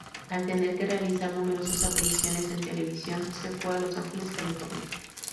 Al tener que realizar numerosas apariciones en televisión se fue a Los Ángeles, California.